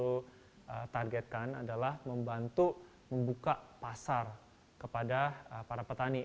kita targetkan adalah membantu membuka pasar kepada para petani